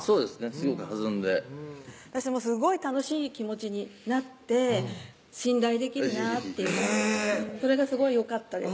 すごく弾んで私もすごい楽しい気持ちになって信頼できるなっていうそれがすごいよかったです